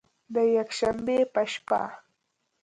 د یکشنبې په شپه